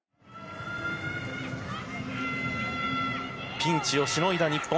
ピンチをしのいだ日本。